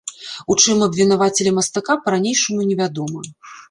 У чым абвінавацілі мастака, па-ранейшаму невядома.